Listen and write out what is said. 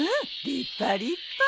立派立派。